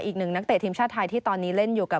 อีกหนึ่งนักเตะทีมชาติไทยที่ตอนนี้เล่นอยู่กับ